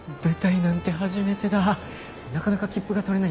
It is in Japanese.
なかなか切符が取れないんだろ？